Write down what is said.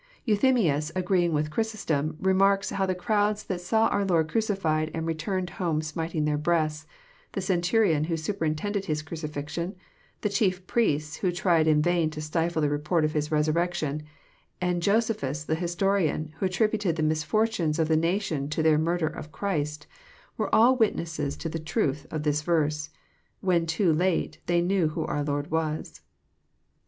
Euthymins, agreeing with Chrysostom, remarks how the crowds that saw our Lord crucified, and returned home smiting their breasts, — the centurion who superintended His crucifix Ion, — the chief priests who tried in vain to stifie the report of His resurrection, — and Josephus the historian, who attributed the misfortunes of the nation to their murder of Christ, — were all witnesses to the truth of this verse. When too late they knew who our Lord was.